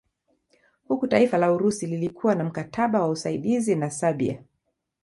Huku taifa la Urusi lilikuwa na mkataba wa usaidizi na Serbia